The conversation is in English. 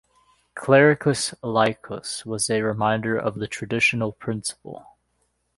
"Clericis laicos" was a reminder of the traditional principle.